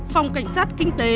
phòng cảnh sát kinh tế